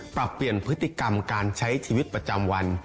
ปรับเปลี่ยนพฤติกรรมการใช้ชีวิตประจำวัน